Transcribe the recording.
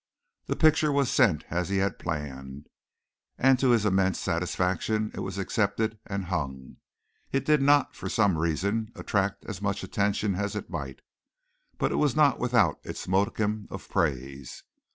The picture was sent as he had planned, and to his immense satisfaction it was accepted and hung. It did not, for some reason, attract as much attention as it might, but it was not without its modicum of praise.